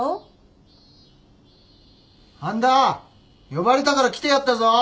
半田呼ばれたから来てやったぞ。